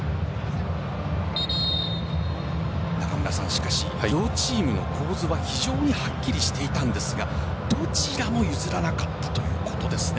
しかし、両チームの構図は非常にはっきりしていたんですがどちらも譲らなかったということですね